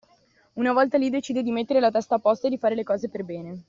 Una volta lì decide di mettere la testa a posto e di fare le cose per bene.